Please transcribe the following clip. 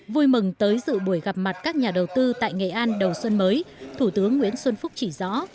vui mừng tới dự buổi gặp mặt các nhà đầu tư tại nghệ an đầu xuân mới thủ tướng nguyễn xuân phúc chỉ rõ